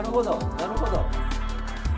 なるほど。